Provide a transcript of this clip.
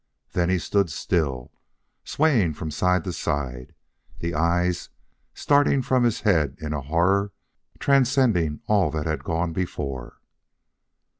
Then he stood still, swaying from side to side, the eyes starting from his head in a horror transcending all that had gone before.